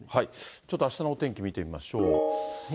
ちょっと、あしたのお天気見てみましょう。